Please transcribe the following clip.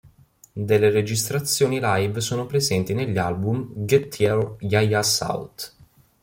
Delle registrazioni live sono presenti negli album "Get Yer Ya-Ya's Out!